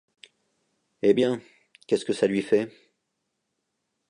Eh bien, qu’est-ce que ça lui fait ?